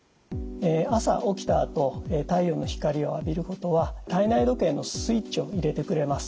朝起きたあと太陽の光を浴びることは体内時計のスイッチを入れてくれます。